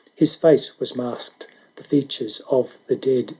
His face was masked — the features of the dead.